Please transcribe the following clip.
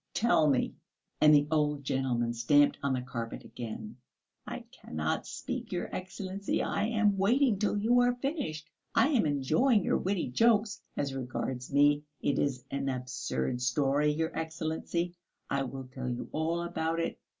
Tell me!" And the old gentleman stamped on the carpet again. "I cannot speak, your Excellency, I am waiting till you are finished, I am enjoying your witty jokes. As regards me, it is an absurd story, your Excellency; I will tell you all about it.